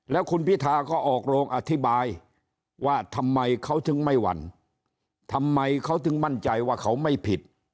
แล้วคุณพิธาก็ออกโรงอธิบายว่าทำไมเขาถึงไม่หวั่นทำไมเขาถึงมั่นใจว่าเขาไม่ผิด